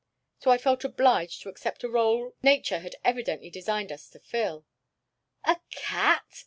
So I felt obliged to accept a rôle nature had evidently designed us to fill." "A cat!